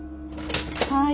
はい。